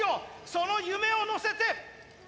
その夢を乗せて。